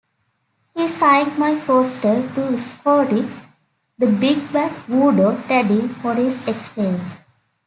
"He signed my poster 'To Scotty, the big bad voodoo daddy'," Morris explains.